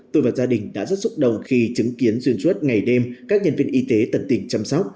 tôi và gia đình đã rất xúc động khi chứng kiến xuyên suốt ngày đêm các nhân viên y tế tận tình chăm sóc